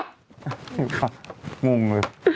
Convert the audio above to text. หงวงเลย